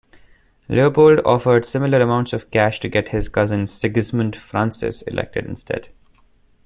Leopold offered similar amounts of cash to get his cousin Sigismund Francis elected instead.